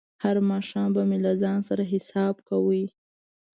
هر ماښام به مې له ځان سره حساب کاوه.